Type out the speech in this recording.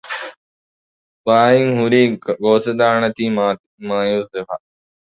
ވާހިން ހުރީ ކަމެއް ގޯސްވެދާނެތީ މާޔޫސްވެފަ